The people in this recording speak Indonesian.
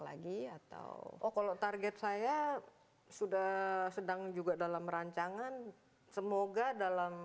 lagi atau oh kalau target saya sudah sedang juga dalam rancangan semoga dalam